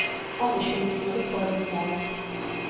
თაღი შეისრული ფორმისაა.